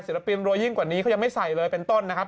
ปินรวยยิ่งกว่านี้เขายังไม่ใส่เลยเป็นต้นนะครับ